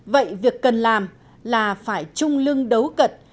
vậy việc cần làm là phải trung lưng đấu cật